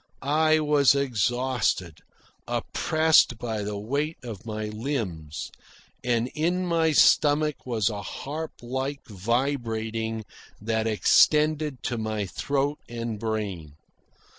I was exhausted, oppressed by the weight of my limbs, and in my stomach was a harp like vibrating that extended to my throat and brain.